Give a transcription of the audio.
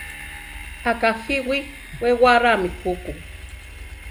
Akajíwi we warámi juku.